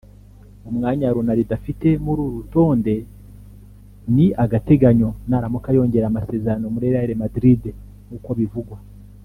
umwanya Ronaldo afite muri uru rutonde ni agateganyo naramuka yongereye amasezerano muri Real Madrid nkuko bivugwa